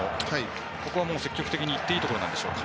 ここは積極的に行っていいところでしょうか。